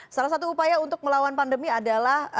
salah satu upaya untuk melawan pandemi adalah